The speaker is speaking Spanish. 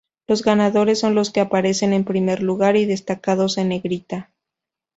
Los ganadores son los que aparecen en primer lugar y destacados en negrita.